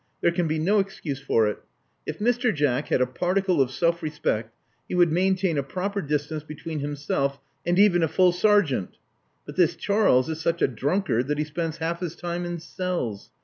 There can be no excuse for it. If Mr. Jack, had a particle of self respect he would maintain a proper distance between himself ahd even a full sergeant. But this Charles is such a drunkard that he spends half his time in cells.